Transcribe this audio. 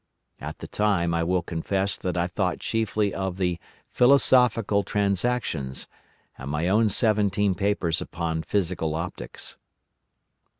At the time I will confess that I thought chiefly of the Philosophical Transactions and my own seventeen papers upon physical optics.